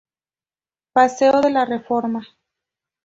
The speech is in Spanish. Paseo de la Reforma.